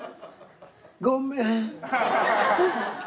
ごめん。